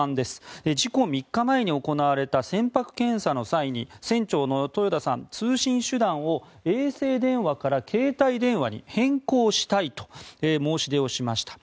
事故３日前に行われた船舶検査の際に船長の豊田さん通信手段を衛星電話から携帯電話に変更したいと申し出をしました。